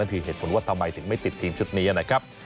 คือเหตุผลว่าทำไมถึงไม่ติดทีมชุดนี้นะครับ